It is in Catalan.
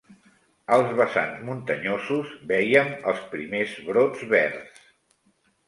Als vessants muntanyosos, vèiem els primers brots verds